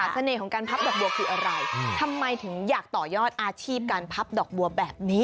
สุดยอดจริงแล้วที่สำคัญพอทำได้แล้ว